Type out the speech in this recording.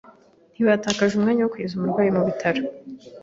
Ntibatakaje umwanya wo kugeza umurwayi mu bitaro.